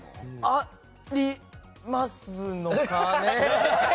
ありますのかね？